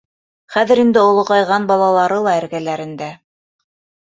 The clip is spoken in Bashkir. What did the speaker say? Хәҙер инде олоғайған балалары ла эргәләрендә.